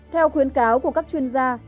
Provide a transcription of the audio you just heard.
theo khuyến cáo của các chuyên gia